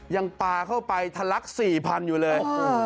ยังปลาเข้าไปทะลัก๔๐๐๐อยู่เลย